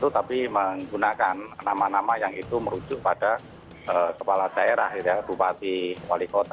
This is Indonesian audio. tapi menggunakan nama nama yang itu merujuk pada kepala daerah bupati wali kota